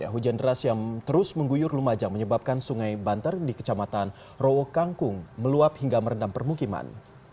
hujan deras yang terus mengguyur lumajang menyebabkan sungai banter di kecamatan rowo kangkung meluap hingga merendam permukiman